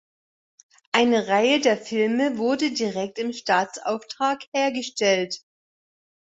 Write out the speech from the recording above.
Eine Reihe der Filme wurde direkt im Staatsauftrag hergestellt.